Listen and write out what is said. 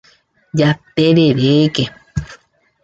Jatereréke.